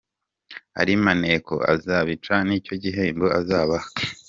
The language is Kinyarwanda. Ari maneko azabica nicyo gihembo azabaha.